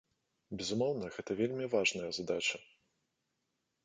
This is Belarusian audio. Безумоўна, гэта вельмі важная задача.